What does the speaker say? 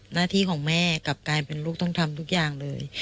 หน้าที่ของแม่กลับกลายเป็นลูกต้องทำทุกอย่างเลย